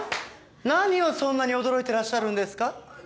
何をそんなに驚いてらっしゃるんですか？